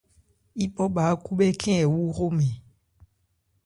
Yípɔ bha ákhúbhɛ́ khɛ́n ɛ wu hromɛn.